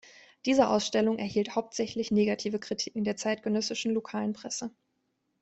Diese Ausstellung erhielt hauptsächlich negative Kritiken der zeitgenössischen lokalen Presse.